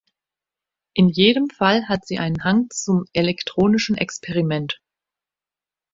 In jedem Fall hat sie einen Hang zum elektronischen Experiment.